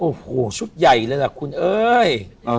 โอ้โหชุดใหญ่เลยล่ะคุณเอ้ย